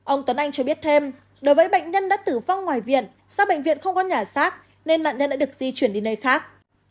ông tuấn anh cho biết thêm đối với bệnh nhân đã tử vong ngoài viện do bệnh viện không có nhà xác nên nạn nhân đã được di chuyển đi nơi khác